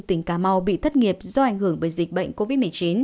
tỉnh cà mau bị thất nghiệp do ảnh hưởng bởi dịch bệnh covid một mươi chín